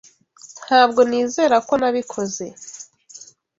Ntabwo nizera ko nabikoze